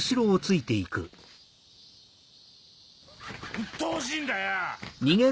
うっとうしいんだよ！